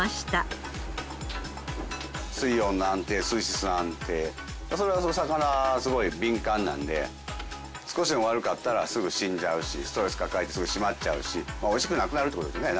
水温の安定水質の安定魚はすごい敏感なんで少しでも悪かったらすぐ死んじゃうしストレス抱えるとすぐ締まっちゃうし美味しくなくなるって事ですね。